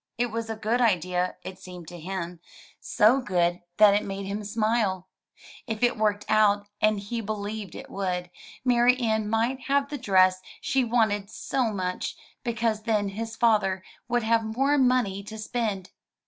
It was a good idea, it seemed to him, so good that it made him smile. If it worked out, and he believed it would, Marianne might have the dress she wanted so much, because then his father would have more money to spend.